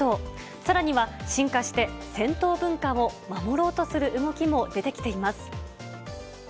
さらには進化して銭湯文化を守ろうとする動きも出てきています。